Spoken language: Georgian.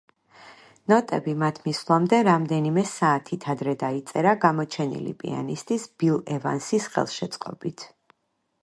ნოტები მათ მისვლამდე რამდენიმე საათით ადრე დაიწერა გამოჩენილი პიანისტის ბილ ევანსის ხელშეწყობით.